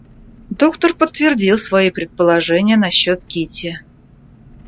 Доктор подтвердил свои предположения насчет Кити.